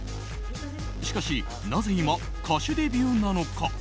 しかし、なぜ今歌手デビューなのか。